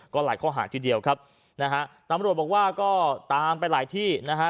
ก็หลายข้อหาทีเดียวครับนะฮะตำรวจบอกว่าก็ตามไปหลายที่นะฮะ